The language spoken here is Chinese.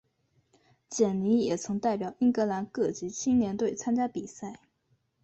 简尼也曾代表英格兰各级青年队参加比赛。